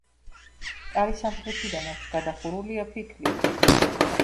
კარი სამხრეთიდან აქვს, გადახურულია ფიქლით.